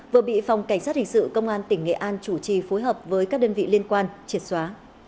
vừa bị phòng cảnh sát hình sự công an tỉnh nghệ an chủ trì phối hợp với các đơn vị liên quan triệt xóa